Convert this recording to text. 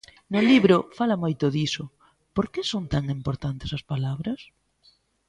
No libro fala moito diso, por que son tan importantes as palabras?